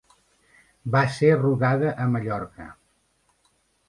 Va ser rodada a Mallorca.